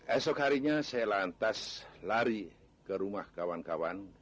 esok harinya saya lantas lari ke rumah kawan kawan